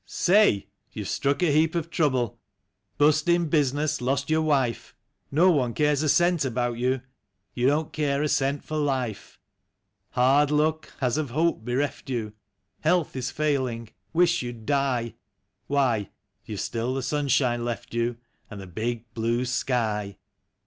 Say ! You've struck a heap of trouble — Bust in business, lost your wife; No one cares a cent about you, You don't care a cent for life; Hard luck has of hope bereft you. Health is failing, wish you'd die — Why, you've still the sunshine left you. And the big, blue sky.